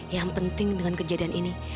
yang penting dengan kejadian ini